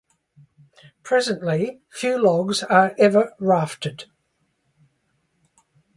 Presently, few logs are ever rafted.